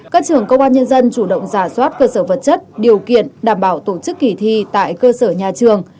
các trường công an nhân dân chủ động giả soát cơ sở vật chất điều kiện đảm bảo tổ chức kỳ thi tại cơ sở nhà trường